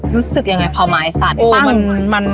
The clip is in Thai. รู้สึกยังไงเผาไม้ศาล